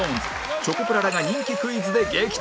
チョコプラらが人気クイズで激闘